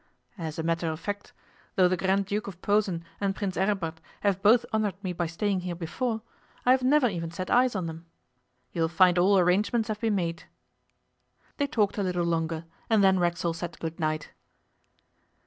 As a matter of fact, though the Grand Duke of Posen and Prince Aribert have both honoured me by staying here before, I have never even set eyes on them. You will find all arrangements have been made.' They talked a little longer, and then Racksole said good night.